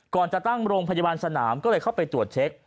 ก่อนจะตั้งโรงพยาบาลสนามก็เลยเข้าไปตรวจเช็ค